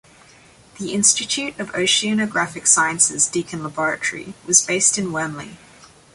The Institute of Oceanographic Sciences Deacon Laboratory was based in Wormley.